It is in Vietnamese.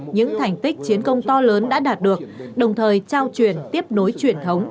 những thành tích chiến công to lớn đã đạt được đồng thời trao truyền tiếp nối truyền thống